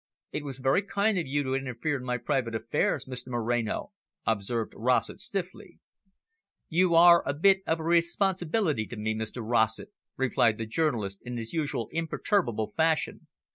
"It was very kind of you to interfere in my private affairs, Mr Moreno," observed Rossett stiffly. "You are a bit of responsibility to me, Mr Rossett," replied the journalist in his usual imperturbable fashion.